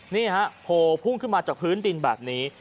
นี่ฮะโผล่พุ่งขึ้นมาจากพื้นดินแบบนี้